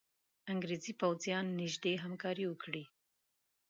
انګرېزي پوځیان نیژدې همکاري وکړي.